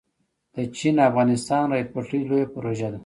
د چین - افغانستان ریل پټلۍ لویه پروژه ده